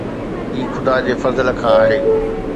هي خدا جي فضل کان آهي.